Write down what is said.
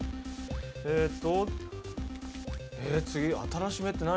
えっとえ次新しめって何？